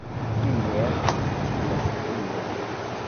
Kiel vi scias tion?